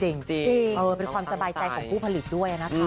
จริงต้องตั้งใจคุณผู้ชมเป็นความสบายใจของผู้ผลิตด้วยนะครับ